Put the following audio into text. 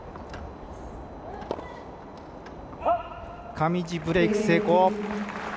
上地、ブレーク成功。